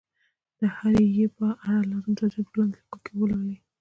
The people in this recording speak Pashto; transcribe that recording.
د هري ي په اړه لازم توضیحات په لاندي لیکو کي ولولئ